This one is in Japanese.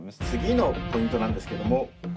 次のポイントなんですけども。